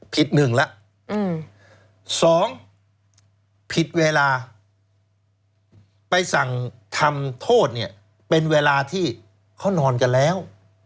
หนึ่งแล้วสองผิดเวลาไปสั่งทำโทษเนี่ยเป็นเวลาที่เขานอนกันแล้ว